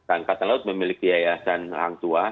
angkatan laut memiliki yayasan hangtua